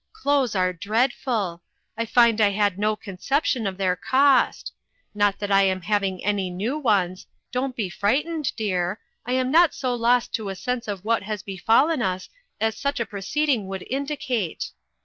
Clothes are dreadful ! I find I had no conception of their cost. Not that I am having any new ones. Don't be frightened, dear. I am not so lost to a sense of what has befallen us as such a proceeding would indicate.